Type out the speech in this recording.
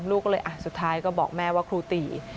ลูกก็เลยสุดท้ายก็บอกแม่ว่าครูตี